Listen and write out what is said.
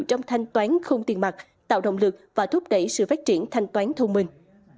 trong thanh toán không tiền mặt tạo động lực và thúc đẩy sự phát triển thanh toán thông minh